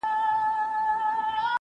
ما پرون د سبا لپاره د سوالونو جواب ورکړ،